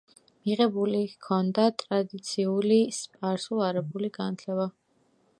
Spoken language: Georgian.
მიღებული ჰქონდა ტრადიციული სპარსულ-არაბული განათლება.